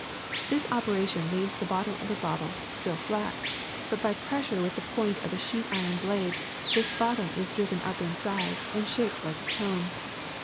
This operation leaves the bot tom of the bottle still flat, but by pressure with the point of a sheet iron blade this bottom is driven up inside and shaped like a cone.